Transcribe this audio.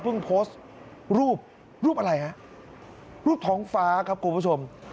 โพสต์รูปรูปอะไรฮะรูปท้องฟ้าครับคุณผู้ชม